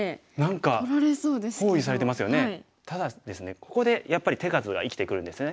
ここでやっぱり手数が生きてくるんですね。